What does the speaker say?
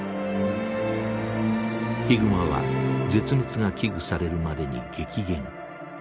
ヒグマは絶滅が危惧されるまでに激減。